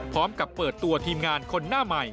พร้อมกับเปิดตัวทีมงาน